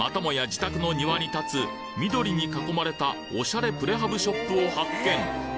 自宅の庭に建つ緑に囲まれたオシャレプレハブショップを発見！